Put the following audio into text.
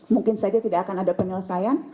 mungkin saja tidak akan ada penyelesaian